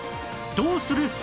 どうする？